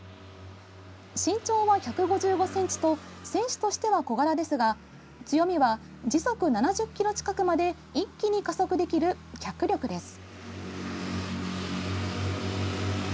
身長は１５５ｃｍと選手としては小柄ですが強みは時速７０キロ近くまで一気に加速できる脚力です。